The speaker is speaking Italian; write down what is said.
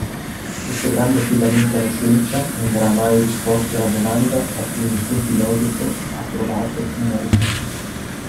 Questo grande affidamento alla scienza non darà mai risposte alla domanda a cui nessun filosofo a trovato una risposta.